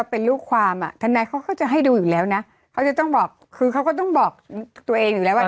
เป็นการประกาศให้รู้บอกลูกความมาแล้วไหม